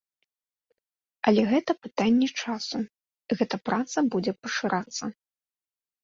Але гэта пытанне часу, гэта праца будзе пашырацца.